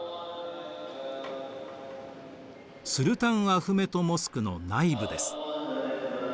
スルタンアフメト・モスクの内部です。